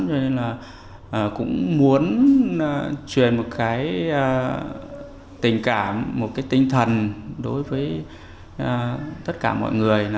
cho nên là cũng muốn truyền một cái tình cảm một cái tinh thần đối với tất cả mọi người